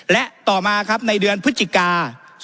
และต่อมาครับในเดือนพฤศจิกา๒๕๖